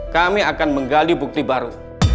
kami akan menggali bukti baru